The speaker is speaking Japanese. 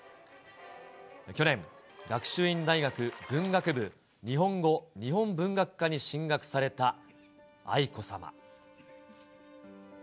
去年、学習院大学文学部日本語日本文学科に進学された愛子さま。